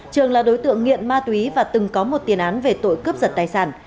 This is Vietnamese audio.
trường là đối tượng nghiện ma túy và từng có một tiền án về tội cướp giật tài sản